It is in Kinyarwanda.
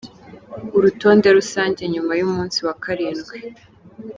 Urutonde rusange nyuma y’umunsi wa karindwi